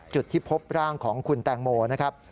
จุดที่พบร่างของคุณแตงโมนะครับ